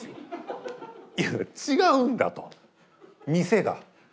いや違うんだと店が。